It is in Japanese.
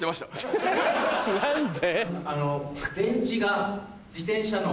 何で？